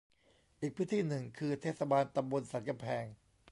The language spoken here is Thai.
อีกพื้นที่หนึ่งคือ เทศบาลตำบลสันกำแพง